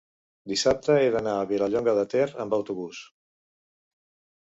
dissabte he d'anar a Vilallonga de Ter amb autobús.